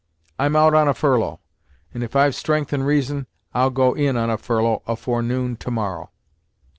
I'm out on a furlough, and if I've strength and reason, I'll go in on a furlough afore noon to morrow!"